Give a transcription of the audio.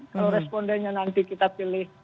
kalau respondennya nanti kita pilih